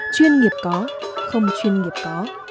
chuyên nghiệp có không chuyên nghiệp có